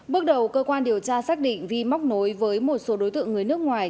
bước đầu cơ quan điều tra xác định vi móc nối với một số đối tượng người nước ngoài